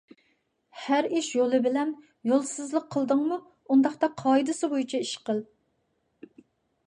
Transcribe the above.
ھەر ئىش يولى بىلەن. يولسىزلىق قىلدىڭمۇ، ئۇنداقتا قائىدىسى بويىچە ئىش قىل.